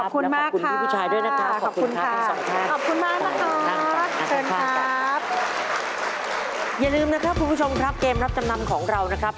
ขอบคุณมากค่ะขอบคุณค่ะขอบคุณค่ะขอบคุณพี่ผู้ชายด้วยนะครับ